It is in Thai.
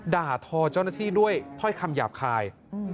ด่าทอเจ้าหน้าที่ด้วยถ้อยคำหยาบคาย